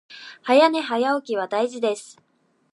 早寝早起きは大事です